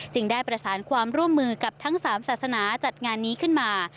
ได้ประสานความร่วมมือกับทั้ง๓ศาสนาจัดงานนี้ขึ้นมา